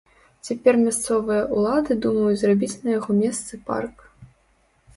Цяпер мясцовыя ўлады думаюць зрабіць на яго месцы парк.